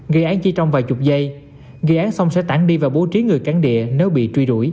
gây án chỉ trong vài chục giây gây án xong sẽ tản đi và bố trí người cắn địa nếu bị truy đuổi